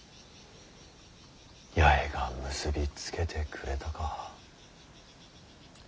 八重が結び付けてくれたか。